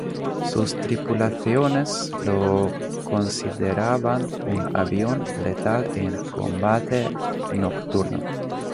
Sus tripulaciones lo consideraban un avión letal en combate nocturno.